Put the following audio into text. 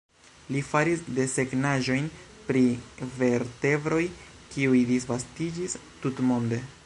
Li faris desegnaĵojn pri vertebroj, kiuj disvastiĝis tutmonde.